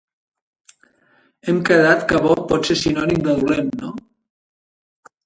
Hem quedat que bo pot ser sinònim de dolent, no?